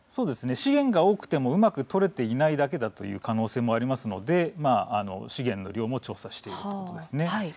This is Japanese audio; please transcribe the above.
資源が多くてもうまく取れていないだけという可能性もありますので資源の量も調査しています。